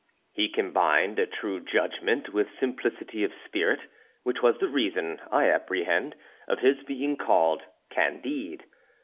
He combined a true judgment with simplicity of spirit, which was the reason, I apprehend, of his being called Candide.